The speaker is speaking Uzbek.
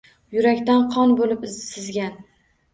Yurakdan qon bo’lib sizgan